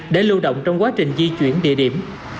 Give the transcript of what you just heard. để lưu động trong quá trình di chuyển địa điểm